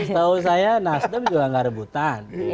tahu saya nasdem juga gak rebutan